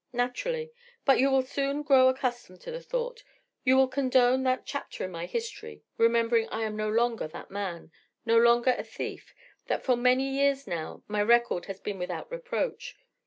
"Naturally. But you will soon grow accustomed to the thought, you will condone that chapter in my history, remembering I am no longer that man, no longer a thief, that for many years now my record has been without reproach.